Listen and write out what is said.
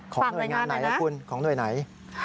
หน่วยงานไหนล่ะคุณของหน่วยไหน